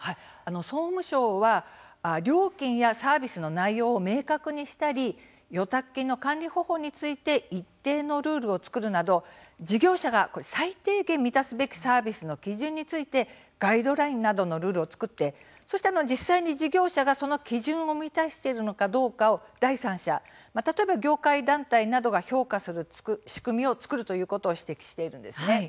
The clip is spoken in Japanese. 総務省は料金やサービスの内容を明確にしたり預託金の管理方法について一定のルールを作るなど事業者が最低限満たすべきサービスの基準についてガイドラインなどのルールを作ってそして実際に事業者がその基準を満たしているのかどうかを第三者、例えば業界団体などが評価する仕組みを作るということを指摘しているんです。